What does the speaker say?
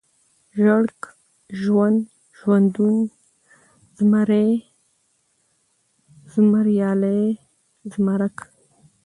ژړک ، ژوند ، ژوندون ، زمری ، زمريالی ، زمرک